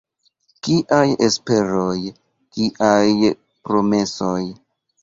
Kiaj esperoj, kiaj promesoj?